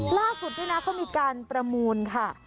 ล่าสุดเค้ามีการประมูลค่ะ